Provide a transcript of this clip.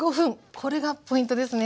これがポイントですね。